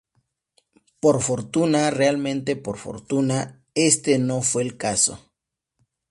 Por fortuna, realmente por fortuna, este no fue el caso.